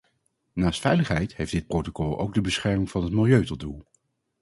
Naast veiligheid heeft dit protocol ook de bescherming van het milieu tot doel.